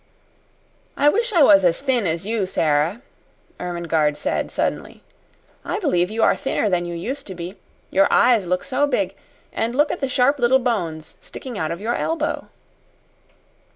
"I wish I was as thin as you, Sara," Ermengarde said suddenly. "I believe you are thinner than you used to be. Your eyes look so big, and look at the sharp little bones sticking out of your elbow!"